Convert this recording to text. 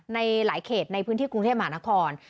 ในหลายเขตในพื้นที่กรุงเทพมหานคร